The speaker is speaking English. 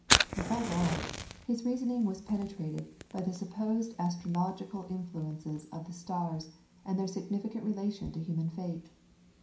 Above all, his reasoning was penetrated by the supposed astrological influences of the stars and their significant relation to human fate.